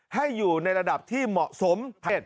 ให้อยู่ในระดับที่เหมาะสมเผ็ด